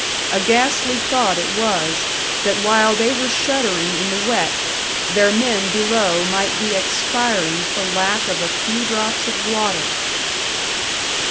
A ghastly thought it was, that while they were shuddering in the wet, their men below might be expiring for lack of a few drops of water!